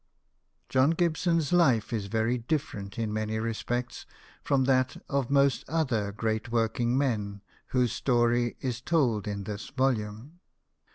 John Gibson's life is very different in many respects from that of most other great working men whose story is told in this volume.